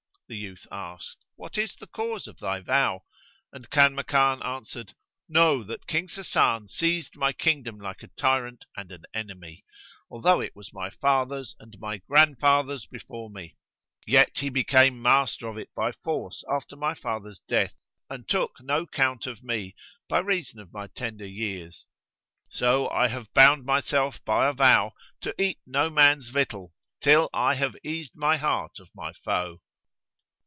The youth asked, "What is the cause of thy vow?", and Kanmakan answered, "Know that King Sasan seized upon my kingdom like a tyrant and an enemy, although it was my father's and my grand father's before me; yet he became master of it by force after my father's death and took no count of me, by reason of my tender years. So I have bound myself by a vow to eat no man's victual till I have eased my heart of my foe."